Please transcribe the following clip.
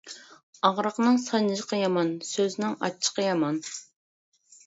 ئاغرىقنىڭ سانجىقى يامان، سۆزنىڭ ئاچچىقى يامان.